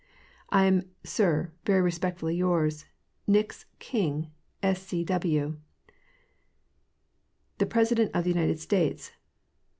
Iam, sir, very respectfully yours, Nicu's Kine, 8S. C. W. THe PRESIDENT OF THE UNITED STATES.